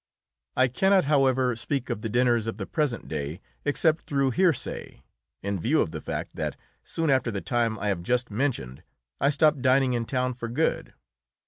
I cannot, however, speak of the dinners of the present day excepting through hearsay, in view of the fact that soon after the time I have just mentioned I stopped dining in town for good.